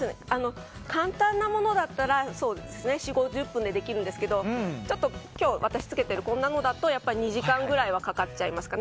簡単なものだったら４０５０分でできるんですけど今日私が着けているものだとやっぱり２時間くらいはかかりますかね。